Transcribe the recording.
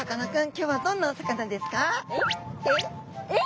今日はどんなお魚ですか？」。